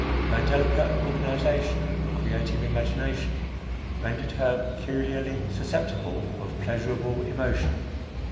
Her delicate organization and creative imagination rendered her peculiarly susceptible of pleasurable emotion.